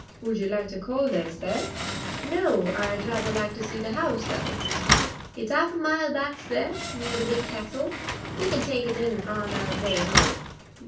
"Would you like to call there, sir?" "No; I'd rather like to see the house, though." "It's a 'alf a mile back, sir, near the big Castle. We can take it in on our way 'ome."